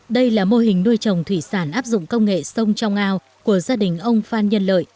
đây là mô hình nuôi trồng thủy sản áp dụng công nghệ sông trong ao của gia đình ông phan nhân lợi